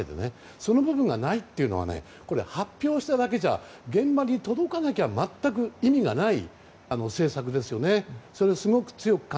その部分がないというのはこれは発表しただけじゃ現場に届かなければ全く意味がない政策ですよね。